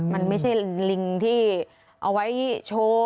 มันไม่ใช่ลิงที่เอาไว้โชว์